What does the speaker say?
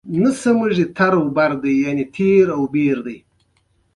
استاد د ژوندانه ښه تګلوری ښيي.